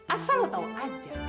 asal lo tau aja